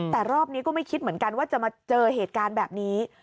แต่รอบนี้ก็ไม่คิดเหมือนกันว่าจะมาเจอเหตุการณ์แบบนี้